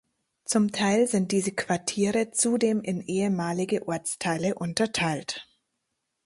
Zum Teil sind diese Quartiere zudem in ehemalige Ortsteile unterteilt.